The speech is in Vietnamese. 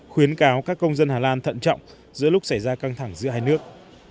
khuyến cáo các công dân hà lan thận trọng giữa lúc xảy ra căng thẳng giữa hai nước